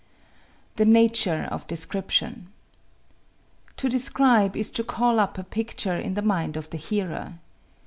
The Nature of Description To describe is to call up a picture in the mind of the hearer.